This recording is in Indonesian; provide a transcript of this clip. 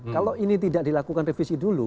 kalau ini tidak dilakukan revisi dulu